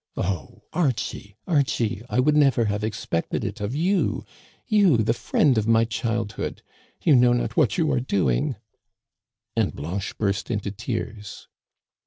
O Archie ! Archie ! I would never have expected it of you, you the friend of my childhood ! You know not what you are doing !" And Blanche burst into tears.